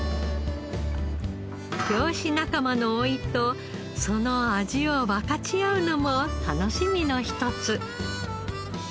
漁師仲間のおいとその味を分かち合うのも楽しみの一つ。